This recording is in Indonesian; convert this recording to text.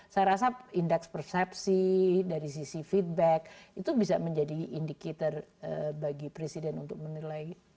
saya rasa indeks persepsi dari sisi feedback itu bisa menjadi indikator bagi presiden untuk menilai